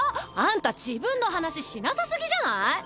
⁉あんた自分の話しなさ過ぎじゃない？